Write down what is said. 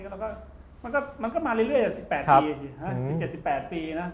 แล้วก็มันก็มาเรื่อยสิบแปดปีสิสิบแปดปีนะ